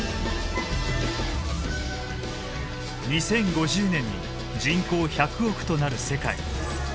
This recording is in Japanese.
２０５０年に人口１００億となる世界。